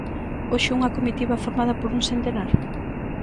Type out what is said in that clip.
Hoxe unha comitiva formada por un centenar?